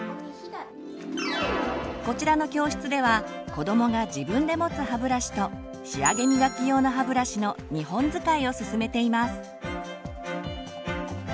こちらの教室ではこどもが自分で持つ歯ブラシと仕上げみがき用の歯ブラシの２本使いを勧めています。